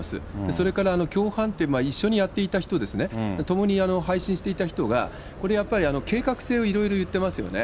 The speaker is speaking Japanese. それから共犯っていう、一緒にやっていた人ですね、共に配信していた人が、これやっぱり、計画性をいろいろ言ってますよね。